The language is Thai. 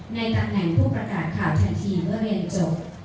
ในตำแหน่งผู้ประกาศข่าวทันทีเมื่อเรียนจบ